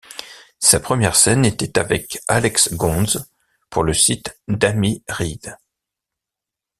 Sa première scène était avec Alex Gonz pour le site d'Amy Ried.